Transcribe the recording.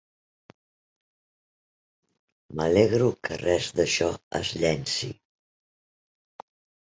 M'alegro que res d'això es llenci.